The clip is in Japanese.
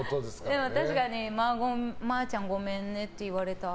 でも確かにマーちゃんごめんねって言われた。